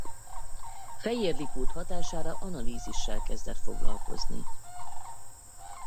Fejér Lipót hatására analízissel kezdett foglalkozni.